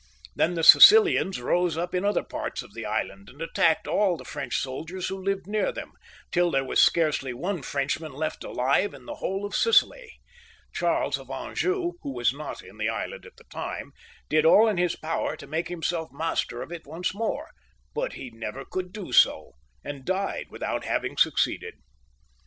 Then the Sicilians rose up in other part« of the island and attacked all the French soldiers who lived near them, till there was scarcely one Frenchman left alive in the whole of Sicily, Charles of Anjou, who was not in the island at the time, did all in his power to make himself master of it once more, hut he never could do so, and died without having suc ceeded.